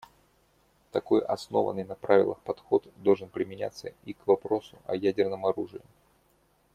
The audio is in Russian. Такой основанный на правилах подход должен применяться и к вопросу о ядерном оружии.